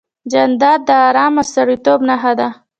جانداد د ارام او سړیتوب نښه ده.